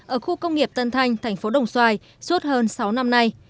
ở khu công nghiệp tân thanh thành phố đồng xoài suốt hơn sáu năm nay